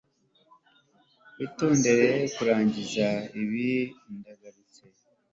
witondere kurangiza ibi ndagarutse